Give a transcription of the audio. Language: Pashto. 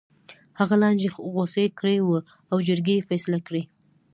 هغه لانجې غوڅې کړې وې او جرګې یې فیصله کړې.